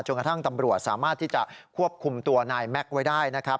กระทั่งตำรวจสามารถที่จะควบคุมตัวนายแม็กซ์ไว้ได้นะครับ